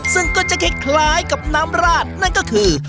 ซึ่งก็จะคล้ายกับน้ำราดนั่นก็คือ